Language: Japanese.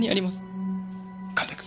神戸君。